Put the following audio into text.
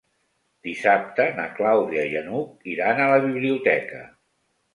Dissabte na Clàudia i n'Hug iran a la biblioteca.